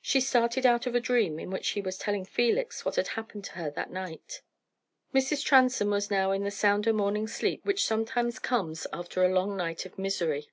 She started out of a dream in which she was telling Felix what had happened to her that night. Mrs. Transome was now in the sounder morning sleep which sometimes comes after a long night of misery.